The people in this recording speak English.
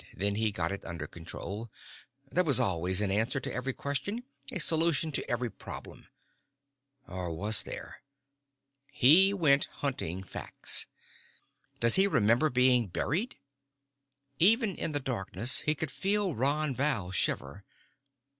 Then he got it under control. There was always an answer to every question, a solution to every problem. Or was there? He went hunting facts. "Does he remember being buried?" Even in the darkness he could feel Ron Val shiver.